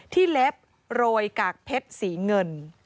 เล็บโรยกากเพชรสีเงิน